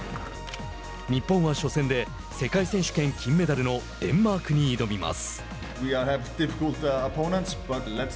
日本は初戦で世界選手権金メダルのデンマークに挑みます。